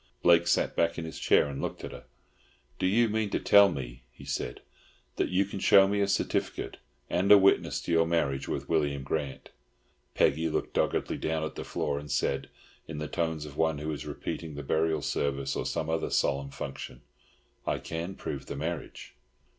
Blake sat back in his chair and looked at her. "Do you mean to tell me," he said, "that you can show me a certificate and a witness to your marriage with William Grant?" Peggy looked doggedly down at the floor and said, in the tones of one who is repeating the burial service or some other solemn function, "I can prove the marriage."